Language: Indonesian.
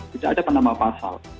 tidak ada penambahan pasal